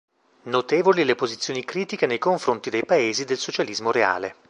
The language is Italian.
Notevoli le posizioni critiche nei confronti dei paesi del Socialismo reale.